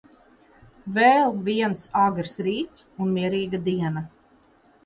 Vēl viens agrs rīts un mierīga diena.